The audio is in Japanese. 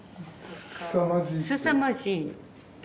「すさまじい」って？